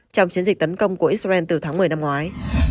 trong chiến dịch tấn công của israel từ tháng một mươi năm ngoái